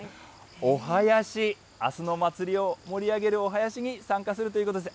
お囃子、あすの祭りを盛り上げるお囃子に参加するということです。